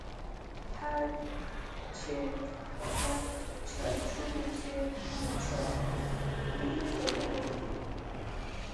هر چړی په چړچوبۍ کی، باچایې خوبونه وینې